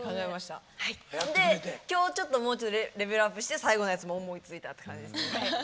で今日ちょっともうちょっとレベルアップして最後のやつも思いついたって感じですね。